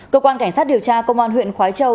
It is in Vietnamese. cơ quan cảnh sát điều tra công an huyện khói châu